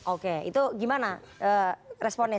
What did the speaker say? oke itu gimana responnya